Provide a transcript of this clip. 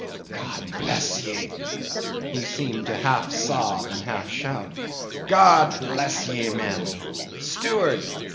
"God bless ye," he seemed to half sob and half shout. "God bless ye, men. Steward!